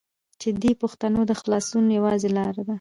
چې دې پښتنو د خلاصونو يوازينۍ لاره